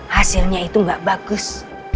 hasilnya itu gak bagus